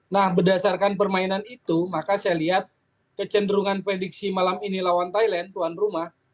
nah berdasarkan permainan itu maka saya lihat kecenderungan prediksi malam ini lawan thailand tuan rumah